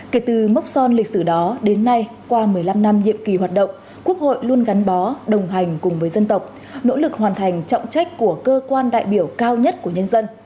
kể từ mốc son lịch sử đó đến nay qua một mươi năm năm nhiệm kỳ hoạt động quốc hội luôn gắn bó đồng hành cùng với dân tộc nỗ lực hoàn thành trọng trách của cơ quan đại biểu cao nhất của nhân dân